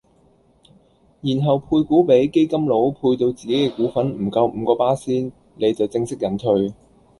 然後配股比基金佬配到自己既股份唔夠五個巴仙，你就正式引退